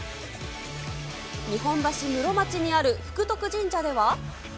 日本橋室町にある福徳神社では。